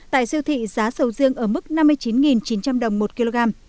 tại siêu thị giá sầu riêng ở mức năm mươi chín chín trăm linh đồng một kg